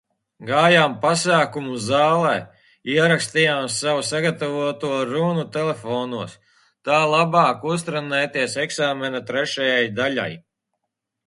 Gājām pasākumu zālē, ierakstījām savu sagatavoto runu telefonos, tā labāk uztrenēties eksāmena trešajai daļai.